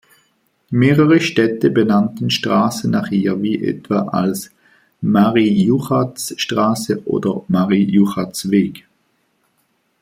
Mehrere Städte benannten Straßen nach ihr wie etwa als „Marie-Juchacz-Straße“ oder „Marie-Juchacz-Weg“.